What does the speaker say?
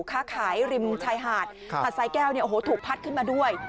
ค้าขายริมชายหาดหาดสายแก้วเนี่ยโอ้โหถูกพัดขึ้นมาด้วย